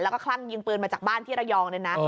แล้วก็คลั่งยิงปืนมาจากบ้านที่ระยองเลยนะ